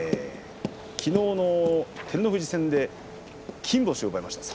きのうの照ノ富士戦で金星を奪いましたね。